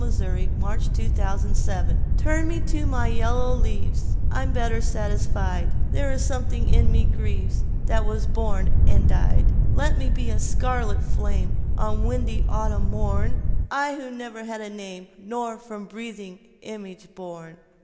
Turn Me to My Yellow Leaves TURN me to my yellow leaves,I am better satisfied; There is something in me grieves—That was never born, and died. Let me be a scarlet flameOn a windy autumn morn,I who never had a name, Nor from breathing image born.